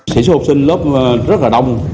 sĩ số học sinh lớp rất là đông